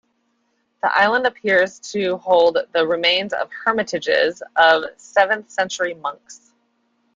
The island appears to hold the remains of hermitages of seventh century monks.